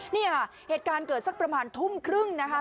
เนี่ยเหตุการณ์เกิดสักประมาณทุ่มครึ่งนะคะ